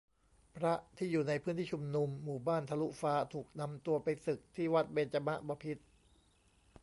พระที่อยู่ในพื้นที่ชุมนุม หมู่บ้านทะลุฟ้า ถูกนำตัวไปสึก ที่วัดเบญจมบพิตร